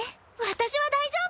私は大丈夫。